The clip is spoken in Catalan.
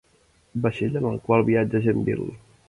Vaixell en el qual viatja gent vil.